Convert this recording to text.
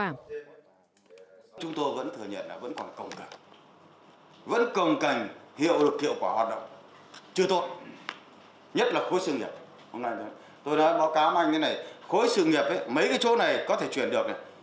tôi nói báo cáo anh cái này khối sự nghiệp mấy cái chỗ này có thể chuyển được